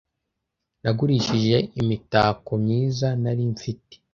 Nagurishije imitako myiza nari mfite